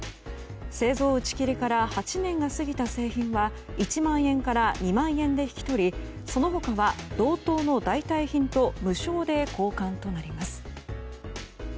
製造打ち切りから８年が過ぎた製品は１万円から２万円で引き取りその他は、同等の代替品と無償で交換となります。